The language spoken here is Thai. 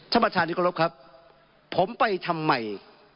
ท่านประธานิกรพครับผมไปทำใหม่